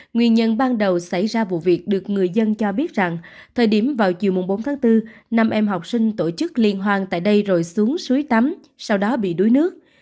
nguyên nhân ban đầu xảy ra vụ việc được người dân cho biết rằng thời điểm vào chiều bốn tháng bốn năm em học sinh tổ chức liên hoan tại đây rồi xuống suối tắm sau đó bị đuối nước